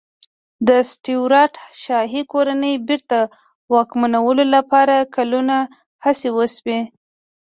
د سټیوراټ شاهي کورنۍ بېرته واکمنولو لپاره کلونه هڅې وشوې.